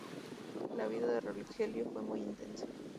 La vida de Rogelio fue muy intensa.